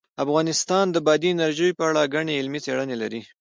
افغانستان د بادي انرژي په اړه ګڼې علمي څېړنې لري.